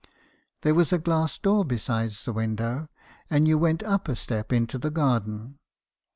There was a glass door besides the window, and you went up a step into the garden.